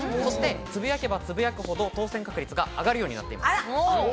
つぶやけばつぶやくほど当選確率が上がるようになっています。